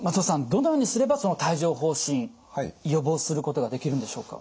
どのようにすればその帯状ほう疹予防することができるんでしょうか？